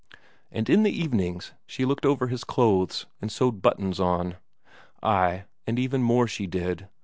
And in the evenings, she looked over his clothes, and sewed buttons on. Ay, and even more she did.